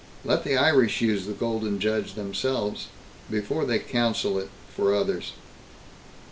Let the Irish use the Golden Judge themselves before they counsel it for others!"